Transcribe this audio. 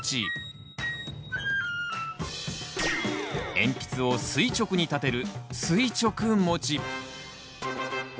鉛筆を垂直に立てる「垂直持ち」。